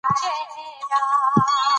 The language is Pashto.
احمدشاه بابا د افغان ملت یو اتل پاچا و.